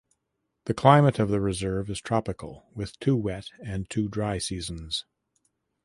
The climate of the reserve is tropical with two wet and two dry seasons.